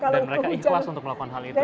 dan mereka ikhlas untuk melakukan hal itu ya